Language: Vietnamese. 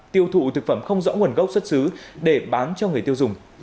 tiêu thụ thực phẩm không rõ nguồn gốc xuất xứ để bán cho người tiêu dùng